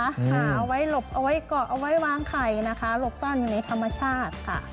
หาเอาไว้หลบเอาไว้เกาะเอาไว้วางไข่นะคะหลบซ่อนอยู่ในธรรมชาติค่ะ